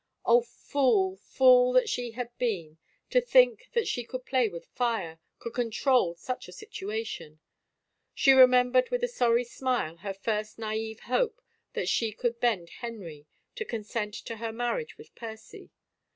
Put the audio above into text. Oh, fool, fool that she had been, to think that she could play with fire, could control such a situation! She remembered with a sorry smile her first naive hope that she could bend Henry to consent to her marriage with Percy.